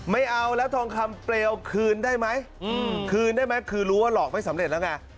ไม่เอาแล้วทองคำเปลวคืนได้ไหมคืนได้ไหมคือรู้ว่าหลอกไม่สำเร็จแล้วไง